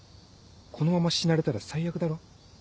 このまま死なれたら最悪だろ？